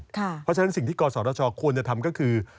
เพราะฉะนั้นสิ่งที่กศชควรจะทำก็คือ